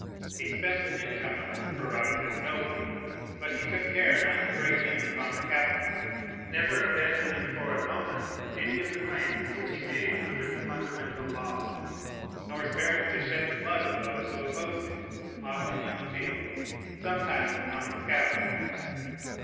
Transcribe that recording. Ho spent the income of his prerogative nobly, but he took care not to break in upon the capital, never abandoning for a moment any of the claims which he made under the fundamental laws, nor sparing to shed the blood of those who opposed him, often in the field, sometimes upon the scaffold.